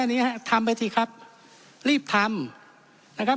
ลีบทำความทำไปเลยครับ